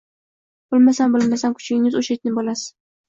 Bilsam-bilmasam, kuchugingiz o‘sha itning bolasi